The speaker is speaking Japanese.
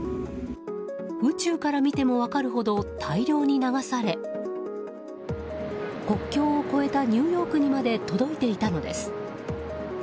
宇宙から見ても分かるほど大量に流され国境を越えたニューヨークにまで届いていたのです。